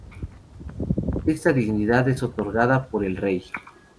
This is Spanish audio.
Esta dignidad es otorgada por el rey.